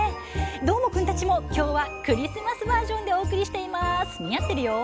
どーもくんたちも今日はクリスマスバージョンでお送りしています。